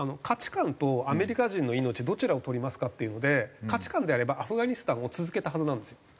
価値観とアメリカ人の命どちらを取りますかっていうので価値観であればアフガニスタンを続けたはずなんですよ。